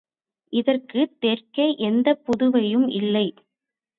இதற்கும் தெற்கே எந்தப் புதுவையும் இல்லை.